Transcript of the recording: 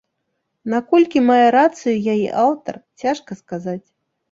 Наколькі мае рацыю яе аўтар, цяжка сказаць.